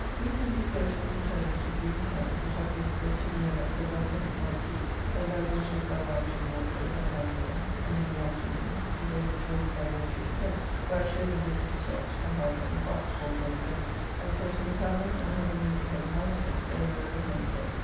We three did go to Mr. Turner's to view his house, which I think was to the end that Sir John Minnes might see it. Then by water with my wife to the Wardrobe, and dined there; and in the afternoon with all the children by water to Greenwich, where I showed them the King's yacht, the house, and the park, all very pleasant; and so to the tavern, and had the musique of the house, and so merrily home again.